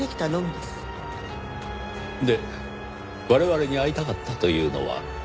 で我々に会いたかったというのは？